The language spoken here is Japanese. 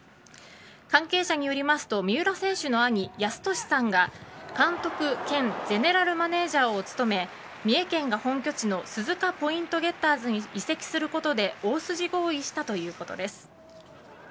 関係者によりますと三浦選手の兄・泰年さんが監督兼ゼネラルマネージャーを務め三重県が本拠地の鈴鹿ポイントゲッターズに移籍することで大筋合意したということです。